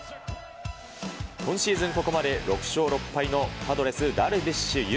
今シーズン、ここまで６勝６敗のパドレス、ダルビッシュ有。